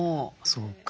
そうか。